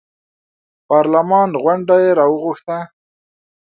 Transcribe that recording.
پارلمان غونډه یې راوغوښته.